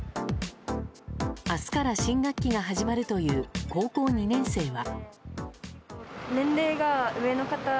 明日から新学期が始まるという高校２年生は。